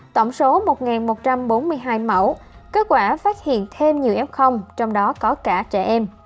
tổng số một một trăm bốn mươi hai mẫu kết quả phát hiện thêm nhiều f trong đó có cả trẻ em